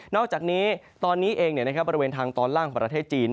อกจากนี้ตอนนี้เองบริเวณทางตอนล่างของประเทศจีน